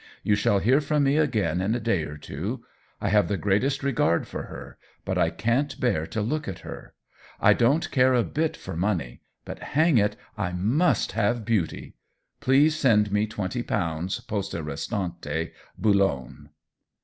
You shall hear from me again in a day or two. I have the greatest regard for her, but I can't bear to look at her. I don't care a bit for money, but, hang it, I must have beauty ! Please send me twenty pounds, poste restante^ Boulogne."